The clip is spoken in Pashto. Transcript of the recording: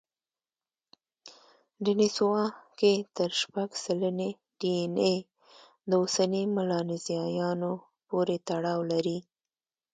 دینسووا کې تر شپږ سلنې ډياېناې د اوسني ملانزیایانو پورې تړاو لري.